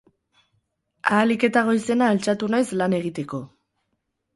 Ahalik eta goizena altxatu naiz lan egiteko.